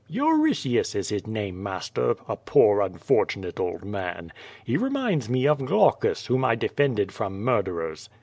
"Euritius is his name, master, a poor unfortunate old man. He reminds me of Glaucus, whom I defended from mur derers."